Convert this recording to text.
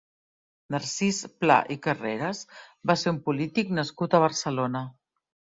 Narcís Pla i Carreras va ser un polític nascut a Barcelona.